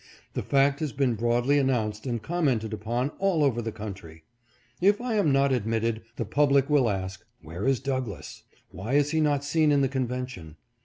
The fact has been broadly announced and commented upon all over the country. If I am not admitted, the public will ask, ' Where is Douglass ? Why is he not seen in the convention